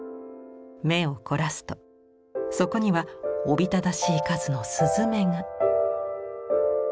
目を凝らすとそこにはおびただしい数の雀が。